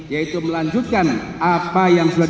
yaitu melanjutkan apa yang sudah